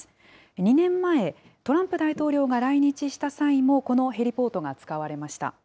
２年前、トランプ大統領が来日した際もこのヘリポートが使われました。